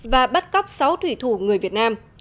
và bắt cóc sáu thủy thủ người việt nam